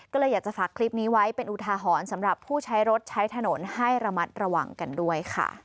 ก็เลยอยากจะฝากคลิปนี้ไว้เป็นอุทาหรณ์สำหรับผู้ใช้รถใช้ถนนให้ระมัดระวังกันด้วยค่ะ